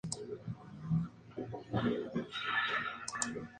Tito confiaba tanto en Tiberio que lo nombró como su segundo al mando.